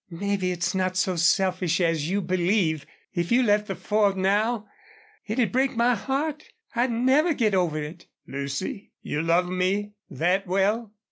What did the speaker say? "Maybe it's not so selfish as you believe. If you left the Ford now it'd break my heart. I'd never get over it." "Lucy! You love me that well?"